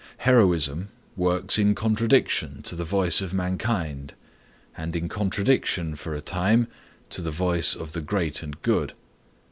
Heroism works in contradiction to the voice of mankind and in contradiction, for a time, to the voice of the great and good.